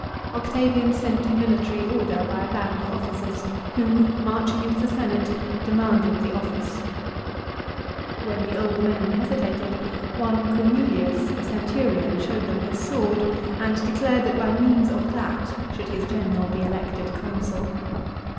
Octavian sent a military order by a band of officers, who, marching into the Senate, demanded the office. When the old men hesitated, one Cornelius a Centurion showed them his sword and declared that by means of that should his general be elected Consul.